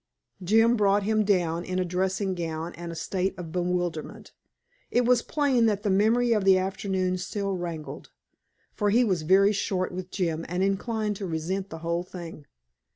Jim brought him down in a dressing gown and a state of bewilderment. It was plain that the memory of the afternoon still rankled, for he was very short with Jim and inclined to resent the whole thing.